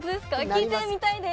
聴いてみたいです。